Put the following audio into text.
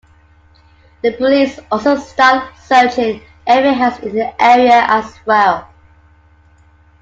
The police also start searching every house in the area as well.